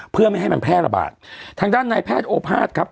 เพื่อไม่ให้มันแพร่ระบาดทางด้านในแพทย์โอภาษย์ครับ